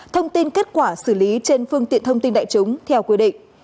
thông tin kết quả xử lý trên phương tiện thông tin đại chúng theo quy định